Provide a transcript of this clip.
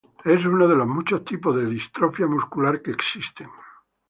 Es uno de los muchos tipos de distrofia muscular que existen.